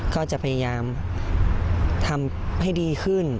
ก็จะพยายามทำให้ดีขึ้น